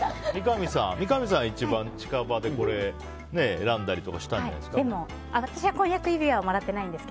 三上さんは一番近場で選んだりとかしたんじゃないですか。